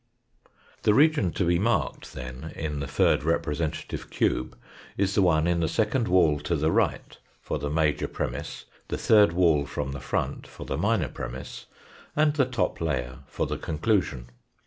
The region to be marked then 102 THE FOURTH DIMENSION in the third representative cube is the one in the second wall to the right for the major premiss, the third wall from the front for the minor premiss, and the top layer for the conclusion.